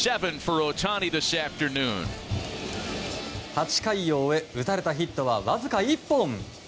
８回を終え打たれたヒットはわずか１本。